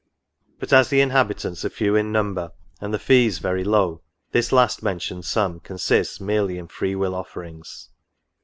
but, as the inhabitants are few in number, and the fees very low, this last mentioned sum consists merely in free will offerings.